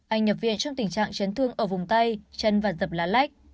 anh nhập viện trong tình trạng chấn thương ở vùng tay chân và dập lá lách